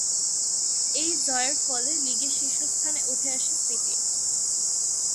এই জয়ের ফলে লীগে শীর্ষস্থানে উঠে আসে সিটি।